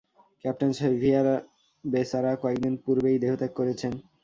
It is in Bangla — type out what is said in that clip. ক্যাপ্টেন সেভিয়ার বেচারা কয়েক দিন পূর্বেই দেহত্যাগ করেছেন।